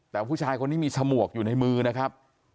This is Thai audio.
แต่ผู้ชายคนนี้มีฉมวกอยู่ในมือนะครับ